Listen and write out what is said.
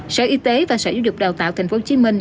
sở y tế và sở giáo dục của tp hcm